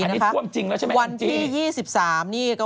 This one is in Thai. ปะนี่ท่วมจริงแล้วใช่ไหมจริงจริงวันที่จริง